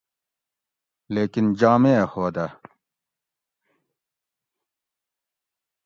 لیکن جامع ہودہ